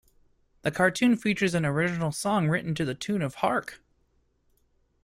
The cartoon features an original song written to the tune of Hark!